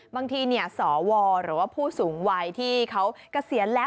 บางทีเนี่ยสอวหรือว่าผู้สูงวัยที่เขากระเซียนแล้ว